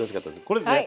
これですね。